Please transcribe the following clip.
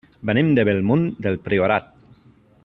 Venim de Bellmunt del Priorat.